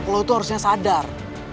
lu tuh harusnya sadar